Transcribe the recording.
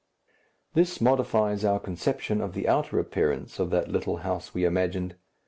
This modifies our conception of the outer appearance of that little house we imagined.